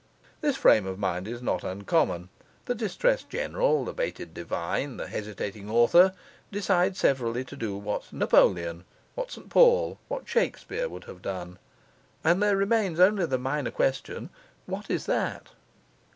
This frame of mind is not uncommon; the distressed general, the baited divine, the hesitating author, decide severally to do what Napoleon, what St Paul, what Shakespeare would have done; and there remains only the minor question, What is that?